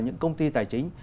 những công ty tài chính